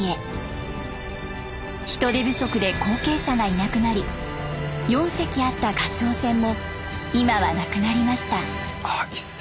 人手不足で後継者がいなくなり４隻あったカツオ船も今はなくなりました。